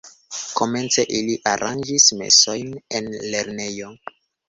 Komence ili aranĝis mesojn en lernejo.